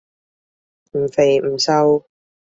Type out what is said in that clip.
唔肥唔瘦